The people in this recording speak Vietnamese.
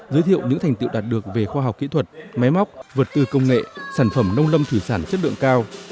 giới thiệu những thành tiệu đạt được về khoa học kỹ thuật máy móc vật tư công nghệ sản phẩm nông lâm thủy sản chất lượng cao